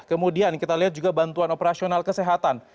kemudian kita lihat juga bantuan operasional kesehatan